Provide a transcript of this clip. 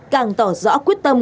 càng tỏ rõ quyết tâm